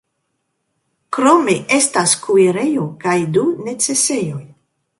Krome estas kuirejo kaj du necesejoj.